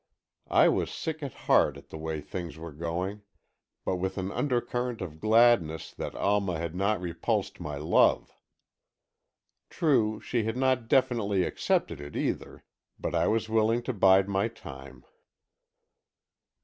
I was sick at heart at the way things were going, but with an undercurrent of gladness that Alma had not repulsed my love. True, she had not definitely accepted it, either, but I was willing to bide my time.